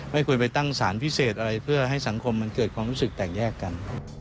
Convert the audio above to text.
ไม่ควรไปตั้งสารพิเศษอะไรเพื่อให้สังคมมันเกิดความรู้สึกแตกแยกกัน